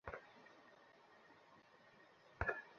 ময়নাতদন্তের আগে মৃত্যুর কারণ সম্পর্কে নিশ্চিত করে কিছু বলা সম্ভব নয়।